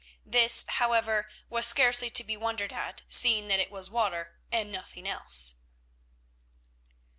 This, however, was scarcely to be wondered at, seeing that it was water and nothing else.